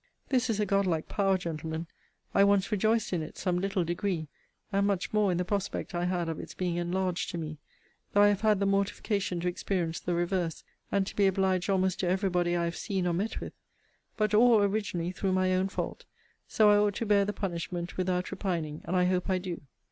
This is a godlike power, gentlemen: I once rejoiced in it some little degree; and much more in the prospect I had of its being enlarged to me; though I have had the mortification to experience the reverse, and to be obliged almost to every body I have seen or met with: but all, originally, through my own fault; so I ought to bear the punishment without repining: and I hope I do.